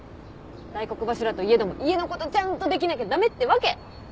大黒柱といえども家のことちゃんとできなきゃ駄目ってわけ。